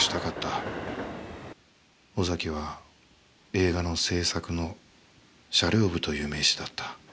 尾崎は映画の制作の車輌部という名刺だった。